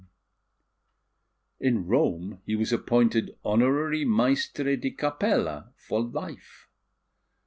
In Rome he was appointed Honorary Maestre di Capella for life.